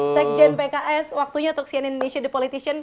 sekjen pks waktunya untuk sian indonesia the politician